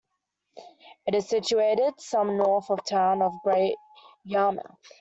It is situated some north of the town of Great Yarmouth.